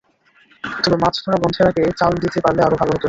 তবে মাছ ধরা বন্ধের আগে চাল দিতে পারলে আরও ভালো হতো।